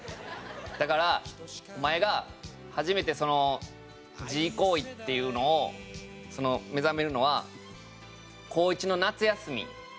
だからお前が初めて自慰行為っていうのを目覚めるのは高１の夏休み。